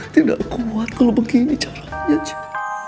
tidak kuat kalau begini caranya juga